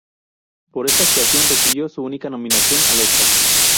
Por esta actuación recibió su única nominación al Óscar.